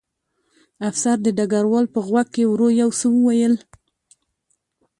افسر د ډګروال په غوږ کې ورو یو څه وویل